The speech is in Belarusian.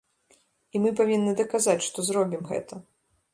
І мы павінны даказаць, што зробім гэта.